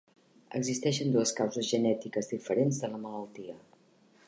Existeixen dues causes genètiques diferents de la malaltia.